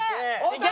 いけ！